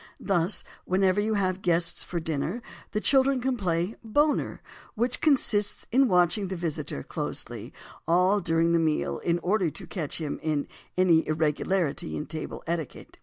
Thus, whenever you have guests for dinner, the children can play "Boner" which consists in watching the visitor closely all during the meal in order to catch him in any irregularity in table etiquette.